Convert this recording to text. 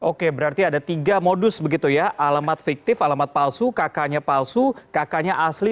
oke berarti ada tiga modus begitu ya alamat fiktif alamat palsu kk nya palsu kk nya asli